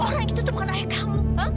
orang itu bukan ayah kamu